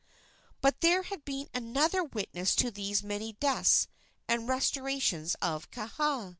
But there had been another witness to these many deaths and restorations of Kaha.